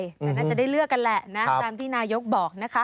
แต่น่าจะได้เลือกกันแหละนะตามที่นายกบอกนะคะ